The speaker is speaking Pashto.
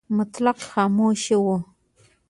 مطلق خاموشي وه .